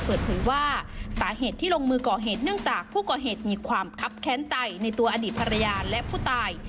เปิดเผยว่าสาเหตุที่ลงมือก่อเหตุเนื่องจากผู้ก่อเหตุมีความคับแค้นใจในตัวอดีตภรรยาและผู้ตาย